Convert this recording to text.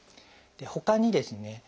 ほかにですね